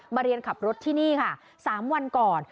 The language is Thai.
เรียนขับรถที่นี่ค่ะ๓วันก่อน